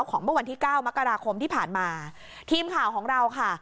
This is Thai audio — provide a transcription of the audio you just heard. เมื่อวันที่เก้ามกราคมที่ผ่านมาทีมข่าวของเราค่ะ